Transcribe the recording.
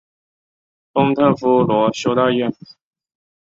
丰特夫罗修道院。